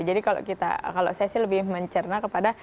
jadi kalau kita kalau saya sih lebih mencerna